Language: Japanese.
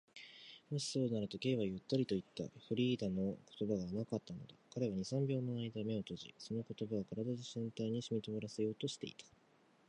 「もしそうなら」と、Ｋ はゆっくりといった。フリーダの言葉が甘かったのだ。彼は二、三秒のあいだ眼を閉じ、その言葉を身体全体にしみとおらせようとした。